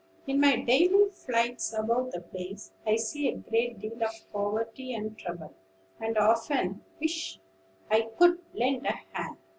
"In my daily flights about the place, I see a great deal of poverty and trouble, and often wish I could lend a hand.